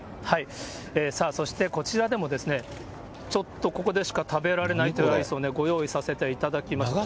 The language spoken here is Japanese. そしてこちらでも、ちょっとここでしか食べられないというアイスをご用意させていただきました。